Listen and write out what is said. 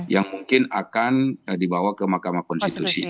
yang mungkin akan dibawa ke mahkamah konstitusi